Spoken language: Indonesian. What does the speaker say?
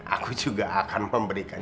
aku juga akan memberikan